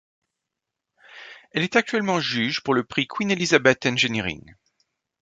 Elle est actuellement juge pour le prix Queen Elizabeth Engineering.